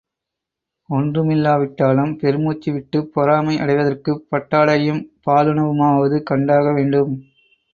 ஒன்றுமில்லாவிட்டாலும் பெருமூச்சு விட்டுப் பொறாமை அடைவதற்குப் பட்டாடையும், பாலுணவு மாவது கண்டாக வேண்டும்.